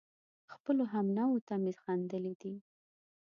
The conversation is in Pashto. خپلو همنوعو ته مې خندلي دي